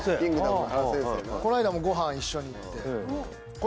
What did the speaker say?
この間もご飯一緒に行って。